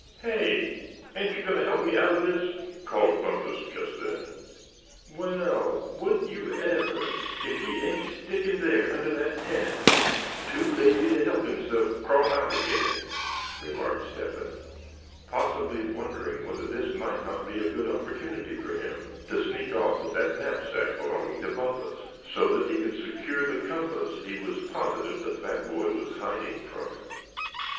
"Hey! ain't you goin' to help me out of this?" called Bumpus just then. "Well, would you ever, if he ain't sticking there under that tent, too lazy to help himself crawl out again," remarked Step hen; possibly wondering whether this might not be a good opportunity for him to sneak off with that knapsack belonging to Bumpus, so that he could secure the compass he was positive the fat boy was hiding from him.